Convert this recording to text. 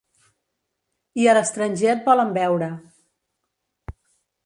I a l'estranger et volen veure.